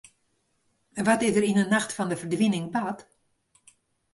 Wat is der yn 'e nacht fan de ferdwining bard?